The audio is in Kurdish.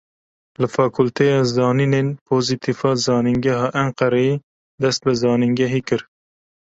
Li fakûlteya zanînên pozîtîv a Zanîngeha Enqereyê dest bi zanîngehê kir.